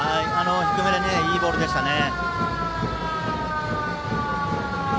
低めのいいボールでしたね。